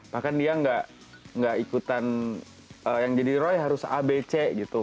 bahkan dia nggak ikutan yang jadi roy harus abc gitu